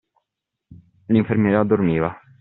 L'infermiera dormiva.